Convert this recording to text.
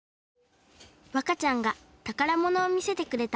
わかちゃんが宝物を見せてくれた。